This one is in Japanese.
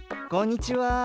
こんにちは。